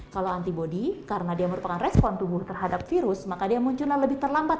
kalau antibody karena dia merupakan respon tubuh terhadap virus maka dia munculnya lebih terlambat